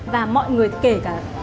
và mọi người kể cả